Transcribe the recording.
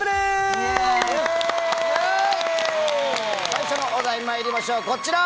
最初のお題まいりましょうこちら！